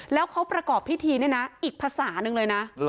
แล้วเขาประกอบพิธีเนี่ยนะอีกภาษาหนึ่งเลยนะ